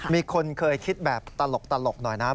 มีคนเคยคิดแบบตลกหน่อยนะครับ